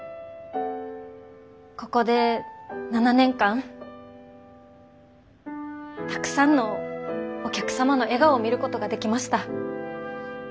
ここで７年間たくさんのお客様の笑顔を見ることができました。